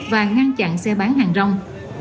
và ngăn chặn xe bán hàng rong